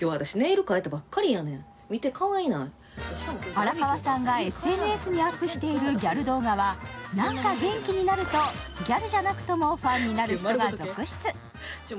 荒川さんがＳＮＳにアップしているギャル動画はなんか元気になると、ギャルじゃなくともファンになる人が続出。